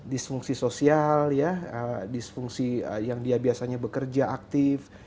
disfungsi sosial disfungsi yang dia biasanya bekerja aktif